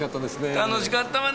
楽しかったわね。